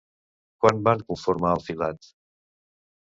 Quan van conformar el filat?